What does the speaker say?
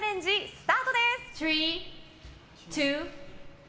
スタートです！